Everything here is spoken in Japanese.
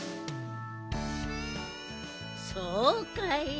そうかい。